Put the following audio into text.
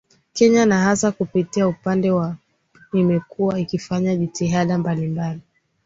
kenya na hasa kupitia upande wa pnu imekuwa ikifanya jitihada mbalimbali